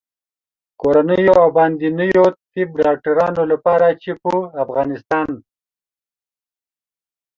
کورنیو او باندنیو طب ډاکټرانو لپاره چې په افغانستان